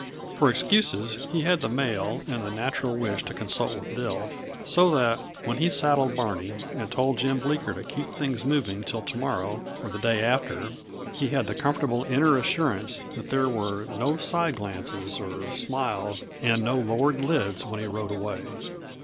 For excuses he had the mail and the natural wish to consult with Dill, so that, when he saddled Barney and told Jim Bleeker to keep things moving till to morrow or the day after, he had the comfortable inner assurance that there were no side glances or smiles and no lowered lids when he rode away.